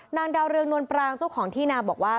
ดาวเรืองนวลปรางเจ้าของที่นาบอกว่า